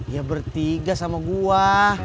ya bertiga sama gua